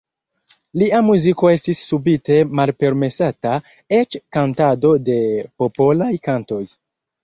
Lia muziko estis subite malpermesata, eĉ kantado de popolaj kantoj.